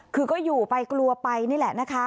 คือก็อยู่ไปกลัวไปนี่แหละนะคะ